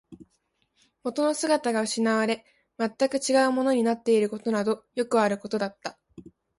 元の姿が失われ、全く違うものになっていることなどよくあることだった